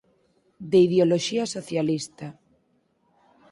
De ideoloxía socialista.